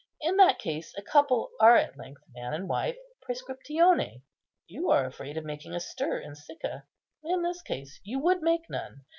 In that case, a couple are at length man and wife præscriptione. You are afraid of making a stir in Sicca; in this case you would make none.